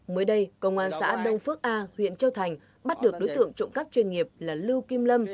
mới đây công an xã đông phước a huyện châu thành bắt được đối tượng trộm cắp chuyên nghiệp là lưu kim lâm